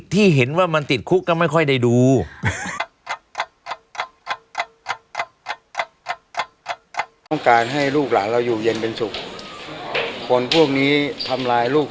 ที่เห็นว่ามันติดคุกก็ไม่ค่อยได้ดู